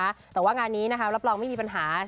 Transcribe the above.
แต่ว่างานนี้นะคะรับรองไม่มีปัญหา